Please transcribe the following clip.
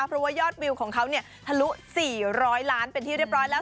เพราะว่ายอดวิวของเขาทะลุ๔๐๐ล้านเป็นที่เรียบร้อยแล้ว